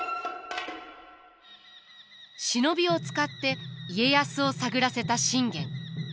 忍びを使って家康を探らせた信玄。